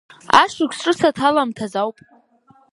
Ашықәс ҿыц аҭаламҭаз ауп.